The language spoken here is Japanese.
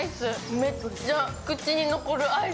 めっちゃ口に残るアイス。